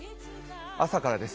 朝からです。